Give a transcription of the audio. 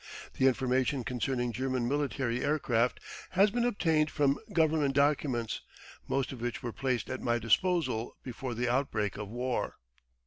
The information concerning German military aircraft has been obtained from Government documents, most of which were placed at my disposal before the outbreak of war.